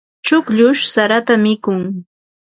Chukllush sarata mikun.